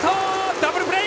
ダブルプレー！